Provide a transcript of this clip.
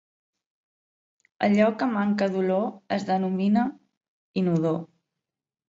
Allò que manca d'olor es denomina inodor.